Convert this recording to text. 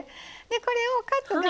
これをカツが